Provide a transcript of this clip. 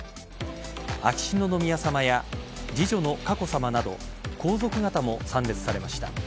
秋篠宮さまや次女の佳子さまなど皇族方も参列されました。